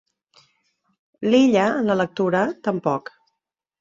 L'Illa, en la lectura, tampoc.